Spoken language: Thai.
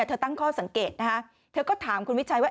ตั้งข้อสังเกตนะคะเธอก็ถามคุณวิชัยว่า